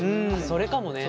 それかもね。